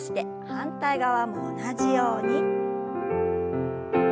反対側も同じように。